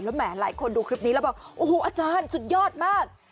แหมหลายคนดูคลิปนี้แล้วบอกโอ้โหอาจารย์สุดยอดมาก